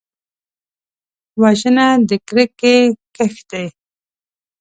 وژنه د کرکې کښت دی